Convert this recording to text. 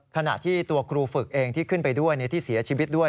ขณะที่ตัวครูฝึกเองที่ขึ้นไปด้วยที่เสียชีวิตด้วย